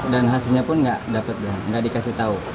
dan hasilnya pun nggak dikasih tahu